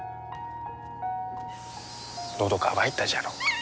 のど渇いたじゃろ。